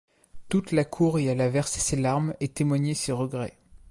Toute la cour y alla verser ses larmes et témoigner ses regrets.